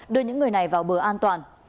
đưa những người này vào bờ an toàn